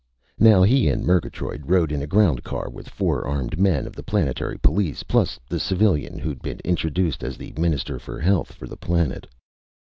Now he and Murgatroyd rode in a ground car with four armed men of the planetary police, plus the civilian who'd been introduced as the Minister for Health for the planet.